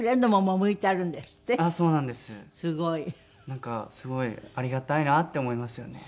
なんかすごいありがたいなって思いますよね。